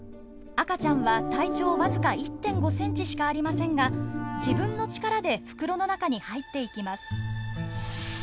赤ちゃんは体長わずか１．５センチしかありませんが自分の力で袋の中に入っていきます。